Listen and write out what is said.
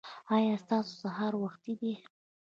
ایا ستاسو سهار وختي دی؟